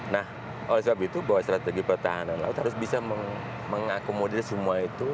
nah oleh sebab itu bahwa strategi pertahanan laut harus bisa mengakomodir semua itu